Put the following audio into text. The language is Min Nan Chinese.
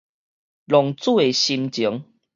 浪子的心情